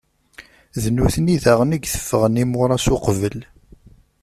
D nutni daɣen i iteffɣen imuṛaṣ uqbel.